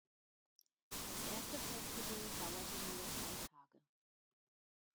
Das erste Festival dauerte nur drei Tage.